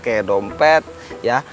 kayak dompet ya